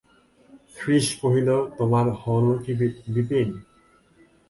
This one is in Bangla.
শ্রীশ কহিল, তোমার হল কী বিপিন?